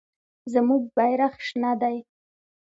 زموږ بیرغ شنه دی.